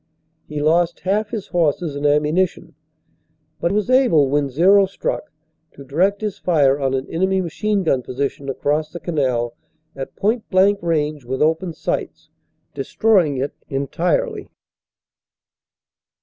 He lost half his horses and ammunition, but was able when "zero" struck to direct his fire on an enemy machine gun position across the canal at point blank range with open sights, destroying it entirely.